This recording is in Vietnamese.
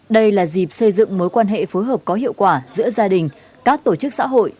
đây là dịp xây dựng mối quan hệ phối hợp có hiệu quả giữa gia đình các tổ chức xã hội